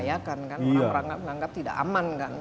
tapi masih membahayakan kan orang orang menganggap tidak aman kan